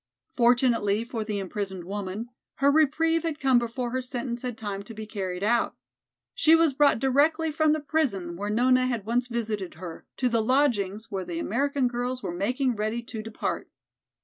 Fortunately for the imprisoned woman, her reprieve had come before her sentence had time to be carried out. She was brought directly from the prison, where Nona had once visited her, to the lodgings where the American girls were making ready to depart.